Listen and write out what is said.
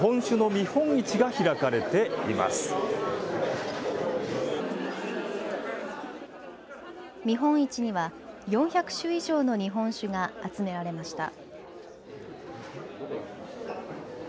見本市には４００種以上の日本酒が集められました。